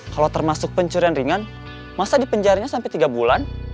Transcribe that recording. kalau termasuk pencurian ringan masa dipenjarinya sampai tiga bulan